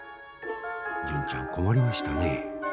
純ちゃん困りましたね。